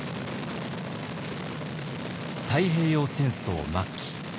太平洋戦争末期。